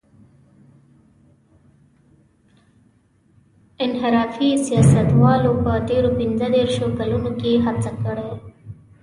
انحرافي سیاستوالو په تېرو پينځه دېرشو کلونو کې هڅه کړې.